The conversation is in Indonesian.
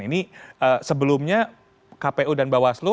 ini sebelumnya kpu dan bawaslu